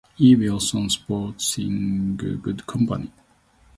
E. Wilson sporting goods company.